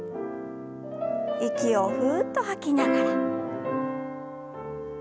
息をふっと吐きながら。